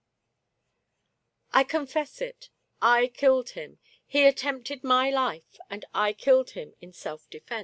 " I confess it. I killed him ; he attempted my life, and I killed him in self defense."